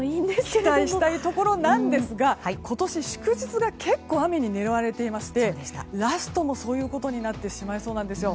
期待したいところですが今年は祝日が結構、雨に狙われていましてラストもそういうことになってしまいそうなんですよ。